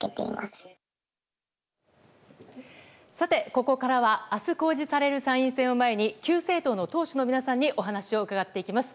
ここからは明日公示される参院選を前に９政党の党首の皆さんにお話を伺っていきます。